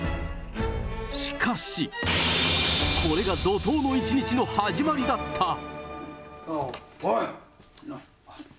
しかし、これが怒とうの一日の始まりだった。